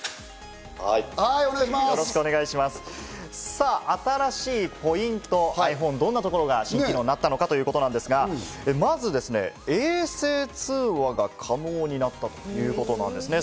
さぁ、新しいポイント、どんなところが新機能になったのかということですが、まず衛生通話が可能になったということなんですね。